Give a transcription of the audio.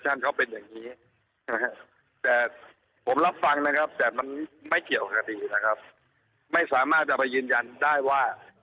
ชั่นเค้าเป็นอย่างนี้แต่ผมรับฟังนะครับแต่มันไม่เกี่ยวข้างดีนะครับไม่สามารถจะไปยืนยันได้ว่า